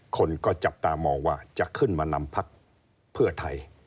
คนก็จับตามองว่าจะขึ้นมานำพักเพื่อไทย